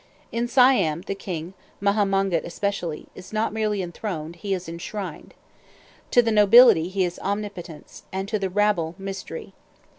In Siam, the king Maha Mongkut especially is not merely enthroned, he is enshrined. To the nobility he is omnipotence, and to the rabble mystery.